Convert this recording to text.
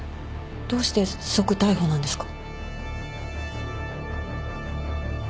どうして即逮捕なんですか？